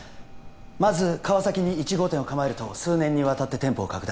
まず川崎に１号店を構えると数年にわたって店舗を拡大